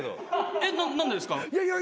えっ何でですか？